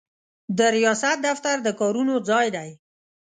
د ریاست دفتر د کارونو ځای دی.